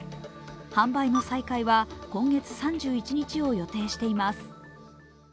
販売の再開は今月３１日を予定しています。